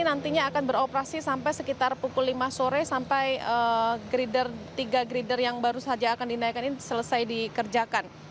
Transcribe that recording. nantinya akan beroperasi sampai sekitar pukul lima sore sampai grider tiga grider yang baru saja akan dinaikkan ini selesai dikerjakan